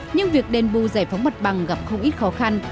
nhưng việc đền bù giải phóng mặt bằng gặp không ít khó khăn